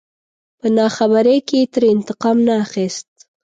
په ناخبرۍ کې يې ترې انتقام نه اخست.